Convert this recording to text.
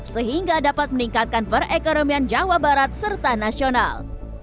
sehingga dapat meningkatkan perekonomian jawa barat serta nasional